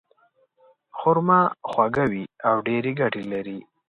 خرما خواږه وي او ډېرې ګټې لري.